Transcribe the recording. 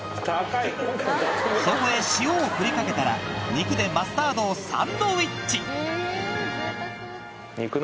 そこへ塩を振り掛けたら肉でマスタードをサンドイッチ